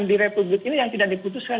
di republik ini yang tidak diputuskan